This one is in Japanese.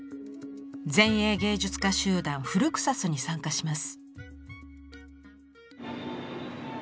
前衛芸術家集団「フルクサス」に参加します。